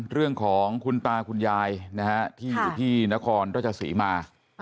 เรื่องของคุณตาคุณยายนะฮะที่อยู่ที่นครต้นจะสีมา